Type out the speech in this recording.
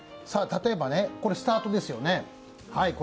これ、スタートですよね。